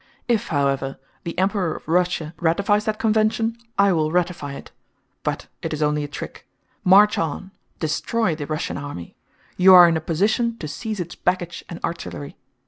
If, however, the Emperor of Russia ratifies that convention, I will ratify it; but it is only a trick. March on, destroy the Russian army.... You are in a position to seize its baggage and artillery.